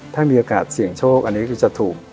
ถ้ามีโอกาสเสี่ยงโชคอันนี้คือจะถูก